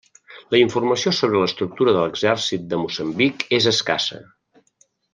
La informació sobre l'estructura de l'Exèrcit de Moçambic és escassa.